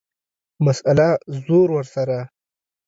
مسئله ، زور ورسره.